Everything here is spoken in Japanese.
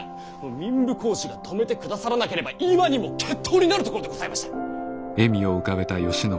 民部公子が止めてくださらなければ今にも決闘になるところでございました。